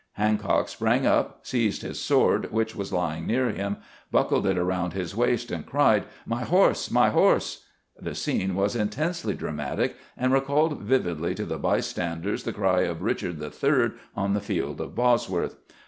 Hancock sprang up, seized his sword, which was lying near him, buckled it around his waist, and cried :" My horse ! my horse !" The scene was intensely dramatic, and recalled vividly to the bystanders the cry of Rich ard III on the field of Bosworth.